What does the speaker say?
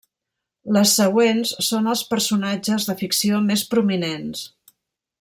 Les següents són els personatges de ficció més prominents.